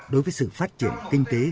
đối với sự phát triển kinh tế